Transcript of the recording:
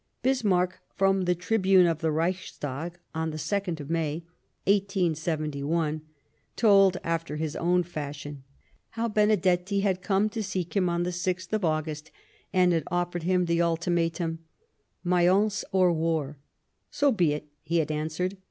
Bismarck, from the tribune of the Reichstag on the 2nd of May, 1871, told, after his own fashion, how Benedetti had come to seek him on the 6th of August, and had offered him the ultimatum :" Mayence or war ?"" So be it," he had answered.